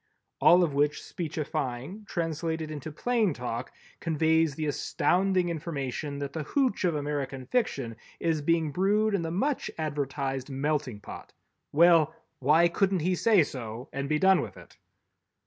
All of which speechifying translated into plain talk conveys the astounding information that the hooch of American Fiction is being brewed in the much advertised Melting Pot! Well, why couldn't he say so and be done with it?